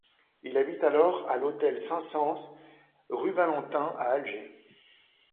Il habite alors à l'hôtel Saint-Saëns, rue Valentin à Alger.